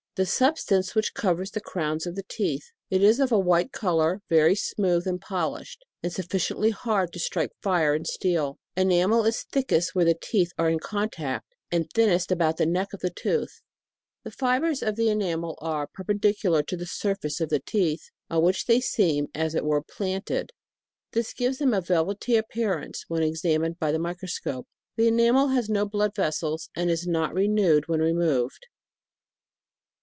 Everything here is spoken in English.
The sub stance which covers the crowns of the teeth. It is of a white colour, very smooth, and polished, and suf ficiently hard to strike fire with steel. Enamel is thickest where the teeth are in contact, and thin nest about the neck of the tooth. The fibres of the enamel are per. pendicular to the surface of the teeth, on which they seem, as it were, planted. This gives them a velvety appearance when examined by the microscope. The enamel has no blood vessels, and is not re newed when removed.